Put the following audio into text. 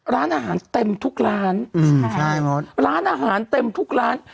ร้านอาหารเต็มทุกร้านอืมใช่หมดร้านอาหารเต็มทุกร้าน